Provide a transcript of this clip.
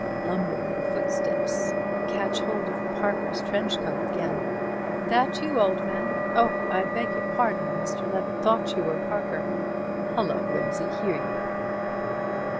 Lumbering footsteps. Catch hold of Parker's trench coat again. "That you, old man? Oh, I beg your pardon, Mr. Levett—thought you were Parker." "Hullo, Wimsey—here you are."